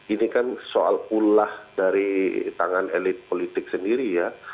ini kan soal ulah dari tangan elit politik sendiri ya